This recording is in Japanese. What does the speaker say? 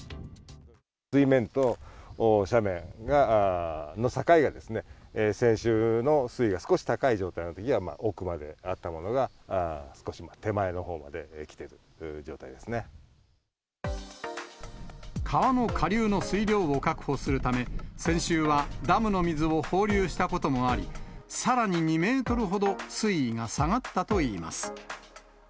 水面と斜面が、の境が、先週の水位が少し高い状態のときは奥まであったものが少し手前の川の下流の水量を確保するため、先週はダムの水を放流したこともあり、さらに２メートルほど水位が下がったといいます。